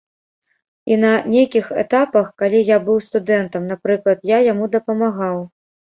І на нейкіх этапах, калі я быў студэнтам, напрыклад, я яму дапамагаў.